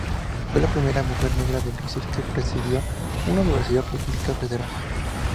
Fue la primera mujer negra de Brasil que presidió una universidad pública federal.